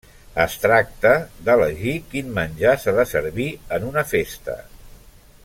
Es tracta d'elegir quin menjar s'ha de servir en una festa.